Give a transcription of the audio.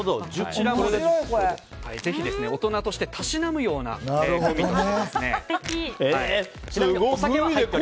ぜひ大人としてたしなむようなグミとして。